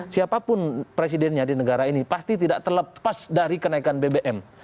siapapun presidennya di negara ini pasti tidak terlepas dari kenaikan bbm